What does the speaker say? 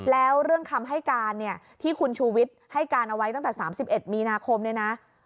แล้วเรื่องคำให้การเนี่ยที่คุณชูวิทย์ให้การเอาไว้ตั้งแต่๓๑มีนาคมเนี่ยนะ